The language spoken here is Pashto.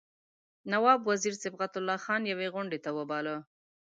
نواب وزیر صبغت الله خان یوې غونډې ته وباله.